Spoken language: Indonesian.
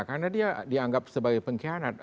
karena dia dianggap sebagai pengkhianat